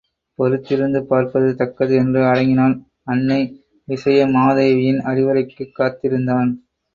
பொறுத்திருந்து பார்ப்பது தக்கது என்று அடங்கினான் அன்னை விசயமாதேவியின் அறிவுரைக்குக் காத்திருந்தான்.